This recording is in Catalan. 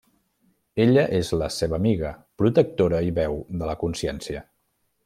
Ella és la seva amiga, protectora i veu de la consciència.